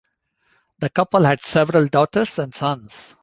The couple had several daughters and sons.